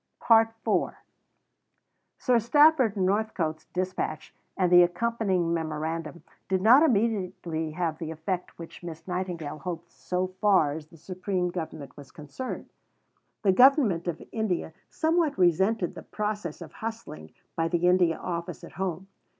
To Captain Galton (July 16). IV Sir Stafford Northcote's dispatch, and the accompanying memorandum, did not immediately have the effect which Miss Nightingale hoped so far as the Supreme Government was concerned. The Government of India somewhat resented the process of hustling by the India Office at home.